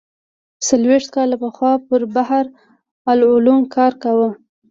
څلوېښت کاله پخوا پر بحر العلوم کار کاوه.